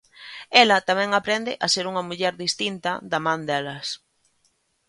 Ela tamén aprende a ser unha muller distinta da man delas.